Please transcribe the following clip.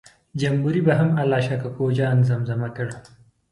جمبوري به هم الله شا کوکو جان زمزمه کړ.